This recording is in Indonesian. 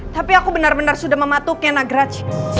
tapi aku benar benar sudah mematuknya nagraj